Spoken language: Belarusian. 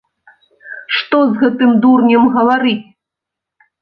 Што з гэтым дурнем гаварыць!